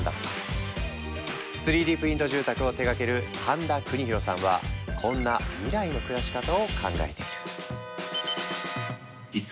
３Ｄプリント住宅を手がける飯田国大さんはこんな未来の暮らし方を考えている。